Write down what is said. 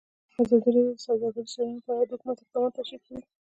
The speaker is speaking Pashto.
ازادي راډیو د سوداګریز تړونونه په اړه د حکومت اقدامات تشریح کړي.